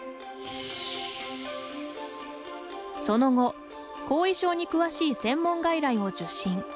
その後、後遺症に詳しい専門外来を受診。